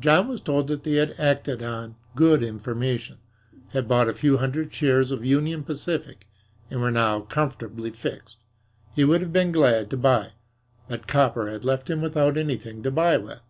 John was told that they had acted on "good information," had bought a few hundred shares of Union Pacific, and were now comfortably fixed. He would have been glad to buy, but copper had left him without anything to buy with.